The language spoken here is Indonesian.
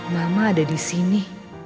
mama ada di sini